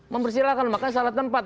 mempersilahkan makanya salah tempat